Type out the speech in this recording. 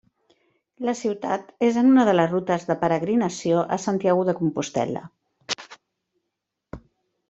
La ciutat és en una de les rutes de peregrinació a Santiago de Compostel·la.